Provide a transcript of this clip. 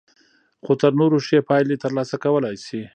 خو تر نورو ښې پايلې ترلاسه کولای شئ.